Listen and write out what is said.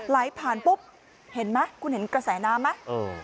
ไหลผ่านปุ๊บเห็นไหมคุณเห็นกระแสน้ำไหม